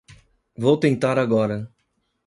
Vou tentar agora.